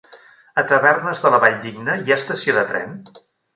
A Tavernes de la Valldigna hi ha estació de tren?